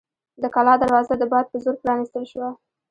د کلا دروازه د باد په زور پرانیستل شوه.